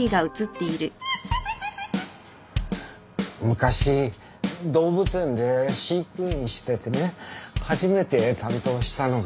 昔動物園で飼育員しててね初めて担当したのがアカネ。